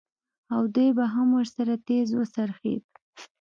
او دى به هم ورسره تېز وڅرخېد.